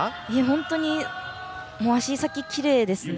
本当に足先がきれいですね。